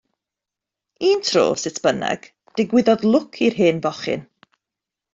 Un tro, sut bynnag, digwyddodd lwc i'r hen fochyn.